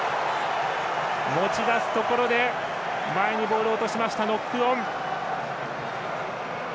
持ち出すところで前にボールを落としましたノックオン。